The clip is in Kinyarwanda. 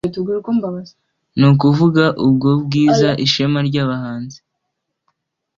Nakuvuga ubwo bwiza Ishema ryabahanzi